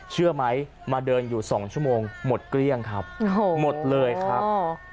เชื่อไหมมาเดินอยู่๒ชั่วโมงหมดเกลี้ยงครับหมดเลยครับ